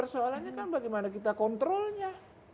soalnya kan bagaimana kita kontrolnya